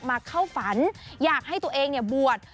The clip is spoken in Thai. เข้าฝันอยากให้ตัวเองบวช